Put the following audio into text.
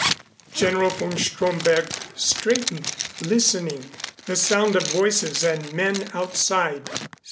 General von Stromberg straightened, listening. The sound of voices and men outside.